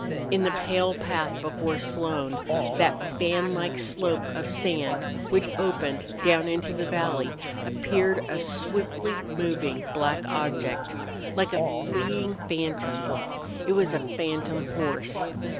In the pale path before Slone, that fanlike slope of sand which opened down into the valley, appeared a swiftly moving black object, like a fleeing phantom. It was a phantom horse.